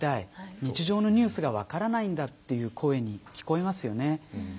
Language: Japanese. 日常のニュースが分からないんだという声に聞こえますよね。